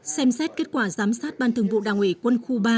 xem xét kết quả giám sát ban thường vụ đảng ủy quân khu ba